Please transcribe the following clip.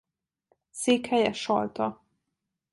Székhelye Salta.